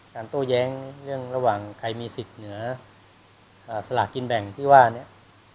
โต้แย้งเรื่องระหว่างใครมีสิทธิ์เหนือสลากกินแบ่งที่ว่าเนี่ย